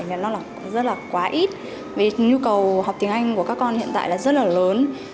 thì nó là rất là quá ít vì nhu cầu học tiếng anh của các con hiện tại là rất là lớn